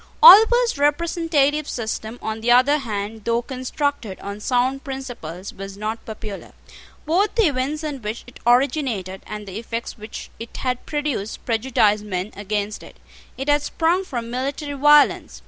Oliver's representative system, on the other hand, though constructed on sound principles, was not popular. Both the events in which it originated, and the effects which it had produced, prejudiced men against it. It had sprung from military violence.